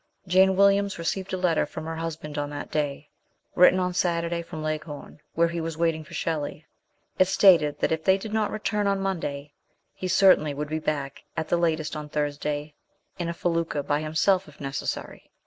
Jane Williams received a letter from her husband on that day (written on Saturday from Leghorn) , where he was waiting for Shelley. It stated that if they did not return on Monday, he certainly would be back at the latest on Thursday in a felucca by himself if necessary.